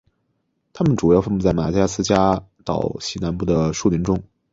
它们主要分布在马达加斯加岛西南部的树林中。